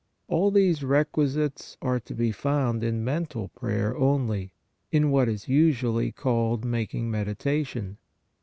All these requisites are to be found in mental prayer only, in what is usually called making meditation.